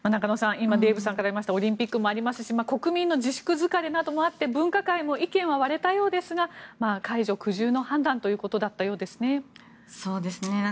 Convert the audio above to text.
今、デーブさんからありましたオリンピックもありますし国民の自粛疲れなどもあって分科会も意見は割れたようですが解除苦渋の判断だったようですね。